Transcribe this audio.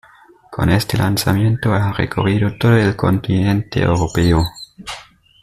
Con este lanzamiento ha recorrido todo el continente europeo.